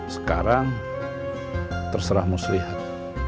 sekarang terserah muslihat